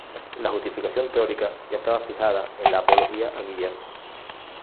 La justificación teórica ya estaba fijada en la Apología a Guillermo.